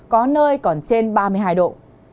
có nơi còn trên ba mươi hai độ